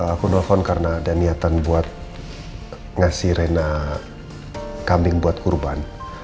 aku nelfon karena ada niatan buat ngasih rena kambing buat kurban